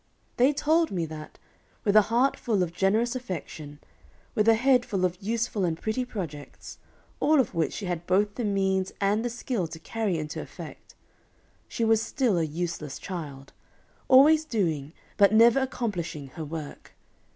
They told me that, with a heart full of generous affection, with a head full of useful and pretty projects, all of which she had both the means and the skill to carry into effect, she was still a useless child, always doing but never accomplishing her work.